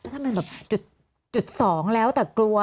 ถ้าจุด๒แล้วแต่กลัว